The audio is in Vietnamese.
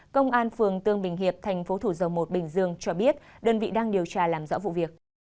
công an phường tương bình hiệp thành phố thủ dầu một bình dương cho biết đơn vị đang điều tra làm rõ vụ việc